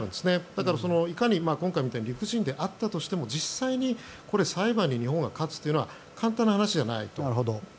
だから、いかに今回みたいに理不尽であったとしても実際にこれ裁判に日本が勝つというのは簡単な話ではないと。